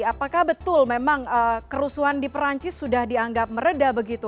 apakah betul memang kerusuhan di perancis sudah dianggap meredah begitu